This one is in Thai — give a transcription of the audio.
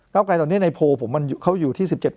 ก้าวไกรตอนนี้เรื่องโพลของมันที่ข้ามอยู่๗๕